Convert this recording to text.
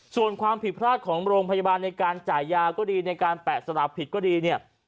ส่วนความผิดพลาดของโรงพยาบาลในการจ่ายยาก็ดีในการแปะสลักผิดก็ดีเนี่ย